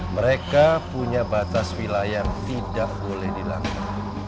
mereka punya batas wilayah yang tidak boleh dilanggar